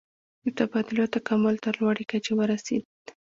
د تبادلو تکامل تر لوړې کچې ورسید.